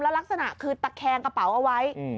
ลักษณะคือตะแคงกระเป๋าเอาไว้